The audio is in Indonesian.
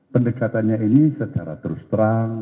pendekatannya ini secara terus terang